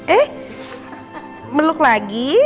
eh meluk lagi